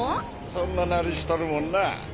そんななりしとるもんな。